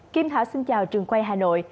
kim thảo xin chào trường quay hà nội